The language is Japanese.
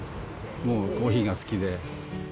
もうコーヒーが好きで。